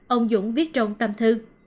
ông dũng viết trong tâm thư